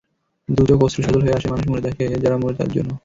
দুচোখ অশ্রুসজল হয়ে আসে মানুষ মরে দেখে, যারা মরে তাদের জন্য।